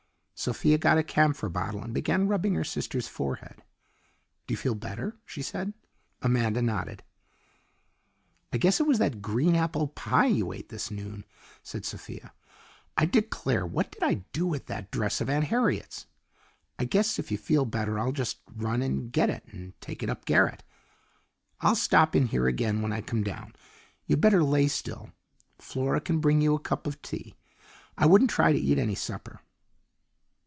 Sophia got a camphor bottle and began rubbing her sister's forehead. "Do you feel better?" she said. Amanda nodded. "I guess it was that green apple pie you ate this noon," said Sophia. "I declare, what did I do with that dress of Aunt Harriet's? I guess if you feel better I'll just run and get it and take it up garret. I'll stop in here again when I come down. You'd better lay still. Flora can bring you up a cup of tea. I wouldn't try to eat any supper."